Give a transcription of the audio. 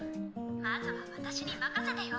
「まずは私に任せてよ。